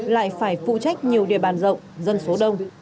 lại phải phụ trách nhiều địa bàn rộng dân số đông